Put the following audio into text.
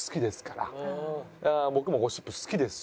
やっぱ僕もゴシップ好きですし。